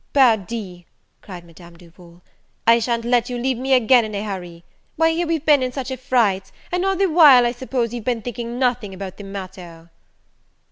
"Pardi," cried Madame Duval, "I shan't let you leave me again in a hurry. Why, here we've been in such a fright! and all the while, I suppose, you've been thinking nothing about the matter."